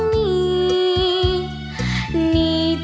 เพลงขับ